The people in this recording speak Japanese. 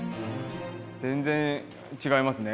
全然違いますね。